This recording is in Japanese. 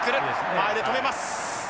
前で止めます。